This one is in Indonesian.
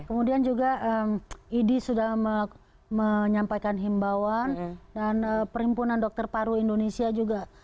kemudian juga idi sudah menyampaikan himbawan dan perhimpunan dokter paru indonesia juga